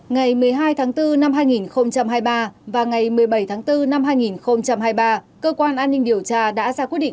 ngày một mươi hai tháng bốn năm hai nghìn hai mươi ba và ngày một mươi bảy tháng bốn năm hai nghìn hai mươi ba cơ quan an ninh điều tra đã ra quyết định